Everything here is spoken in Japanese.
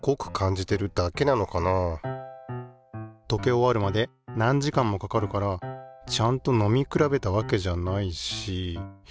おわるまで何時間もかかるからちゃんと飲みくらべたわけじゃないし。